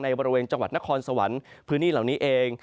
บริเวณจังหวัดนครสวรรค์พื้นที่เหล่านี้เอง